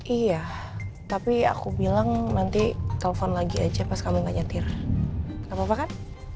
iya tapi aku bilang nanti telepon lagi aja pas kamu gak nyetir gak apa apa kan